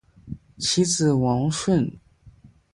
其子王舜。